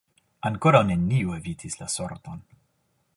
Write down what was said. Ankoraŭ neniu evitis la sorton.